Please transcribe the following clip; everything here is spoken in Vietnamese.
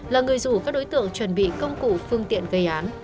là người rủ các đối tượng chuẩn bị công cụ phương tiện gây án